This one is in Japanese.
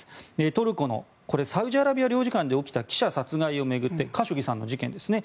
トルコのサウジアラビア領事館で起きた記者殺害を巡ってカショギさんの事件ですね。